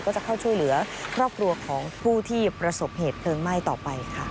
จะเข้าช่วยเหลือครอบครัวของผู้ที่ประสบเหตุเพลิงไหม้ต่อไปค่ะ